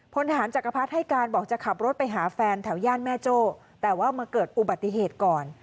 พลทหารจักรพรรดิให้การบอกจะขับรถไปหาแฟนแถวย่านแม่โจ้แต่ว่ามาเกิดอุบัติเหตุก่อน